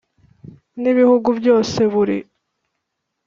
n ibihugu byose buri